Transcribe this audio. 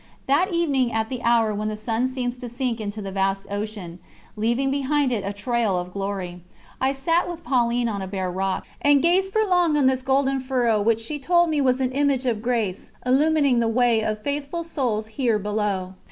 That evening at the hour when the sun seems to sink into the vast ocean, leaving behind it a trail of glory, I sat with Pauline on a bare rock, and gazed for long on this golden furrow which she told me was an image of grace illumining the way of faithful souls here below.